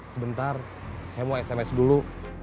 sebentar saya mau sms dulu